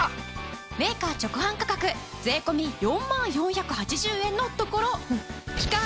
メーカー直販価格税込４万４８０円のところ期間